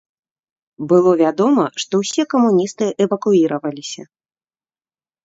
Было вядома, што ўсе камуністы эвакуіраваліся.